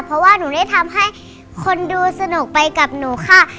เพราะว่าหนูได้ทำให้คนดูสนุกไปกับหนูค่ะ